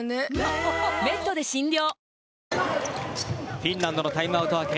フィンランドのタイムアウト明け。